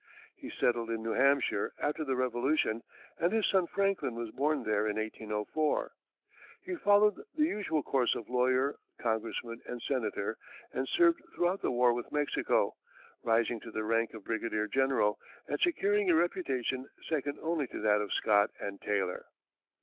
He settled in New Hampshire after the Revolution, and his son Franklin was born there in 1804. He followed the usual course of lawyer, congressman and senator, and served throughout the war with Mexico, rising to the rank of brigadier general, and securing a reputation second only to that of Scott and Taylor.